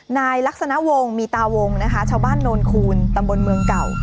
นายลักษณะวงศ์มีตาวงนะคะชาวบ้านโนนคูณตำบลเมืองเก่า